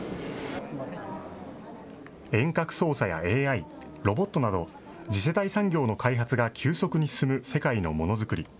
遠隔操作やＡＩ、ロボットなど、次世代産業の開発が急速に進む世界のものづくり。